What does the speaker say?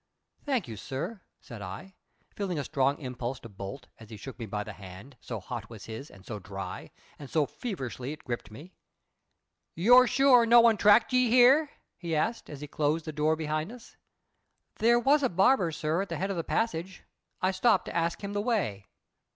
"Thank you, sir," said I, feeling a strong impulse to bolt as he shook me by the hand, so hot was his and so dry, and so feverishly it gripped me. "You're sure no one tracked ye here?" he asked, as he closed the door behind us. "There was a barber, sir, at the head of the passage. I stopped to ask him the way."